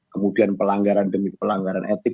kemudian pelanggaran demi pelanggaran etik